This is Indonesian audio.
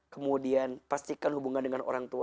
kemudian pastikan hubungan dengan orang tua